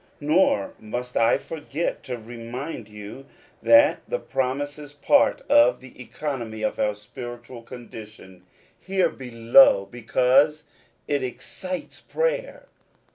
Nor must I forget to remind you, that tite promise is part of the economy of our spiritual condition here below because it excites prayer.